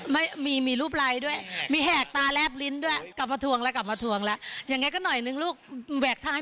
ดูซิลีลาโดนผีจับหัวของพี่มายเป็นยังไง